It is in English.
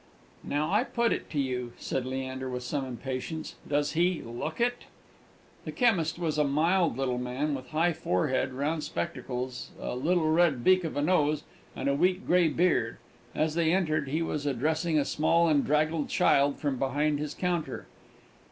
"Now I put it to you," said Leander, with some impatience, "does he look it?" The chemist was a mild little man, with a high forehead, round spectacles, a little red beak of a nose, and a weak grey beard. As they entered, he was addressing a small and draggled child from behind his counter.